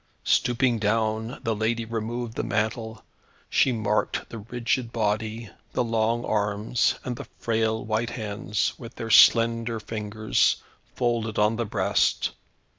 Stooping down the lady removed the mantle. She marked the rigid body, the long arms, and the frail white hands, with their slender fingers, folded on the breast.